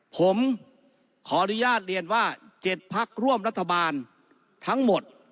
ผมขออนุญาตเรียนว่า๗พักร่วมรัฐบาลทั้งหมด